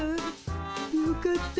よかった。